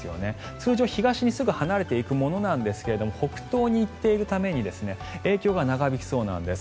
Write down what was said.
通常、東にすぐ離れていくものなんですが北東に行っているために影響が長引きそうなんです。